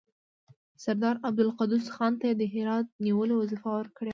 سردار عبدالقدوس خان ته یې د هرات نیولو وظیفه ورکړې وه.